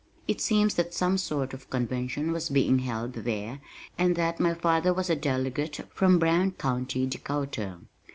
It seems that some sort of convention was being held there and that my father was a delegate from Brown County, Dakota.